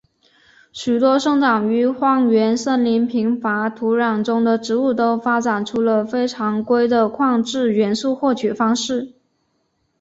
许多生长于荒原森林贫乏土壤中的植物都发展出了非常规的矿质元素获取方式。